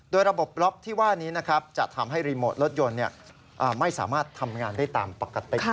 โดยระบบบล็อกที่ว่านี้นะครับจะทำให้รีโมทรถยนต์ไม่สามารถทำงานได้ตามปกติ